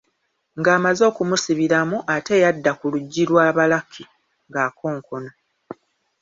Ng’amaze okumusibiramu, ate yadda ku lujji lwa ba Lucky ng’akonkona.